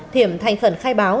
thiểm thành khẩn khai báo